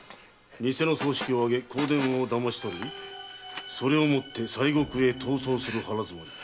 偽の葬式をあげ香典をだまし取りそれを持って西国へ逃走する腹づもり」